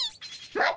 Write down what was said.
待って！